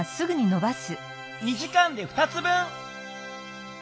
２時間で２つ分！